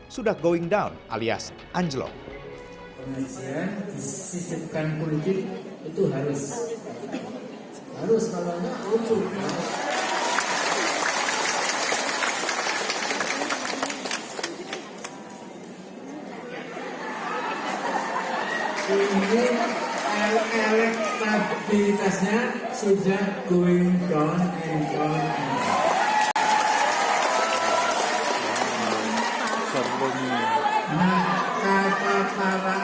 sudah going down alias anjlok